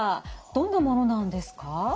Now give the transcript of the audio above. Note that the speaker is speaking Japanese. どんなものなんですか？